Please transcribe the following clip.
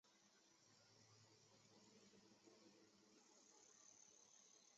在二十世纪开始暹罗猫已成为欧美受欢迎的猫品种之一。